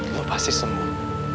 lo pasti sembuh